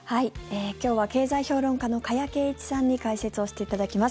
今日は経済評論家の加谷珪一さんに解説をしていただきます。